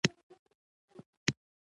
غوږونه د خوښیو یادونه لري